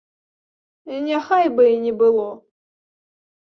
Няхай бы і не было!